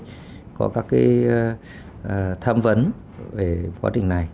những cái tham vấn về quá trình này